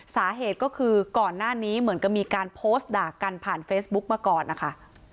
สาเหตุก็คือก่อนหน้านี้เหมือนกับมีการโพสต์ด่ากันผ่านเฟซบุ๊กมาก่อนนะคะ